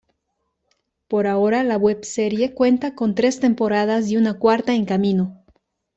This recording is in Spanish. Por ahora la webserie cuenta con tres temporadas y una cuarta en camino.